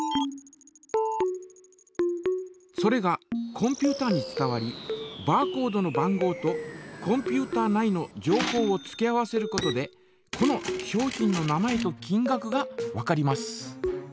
それがコンピュータに伝わりバーコードの番号とコンピュータ内の情報を付け合わせることでこの商品の名前と金がくがわかります。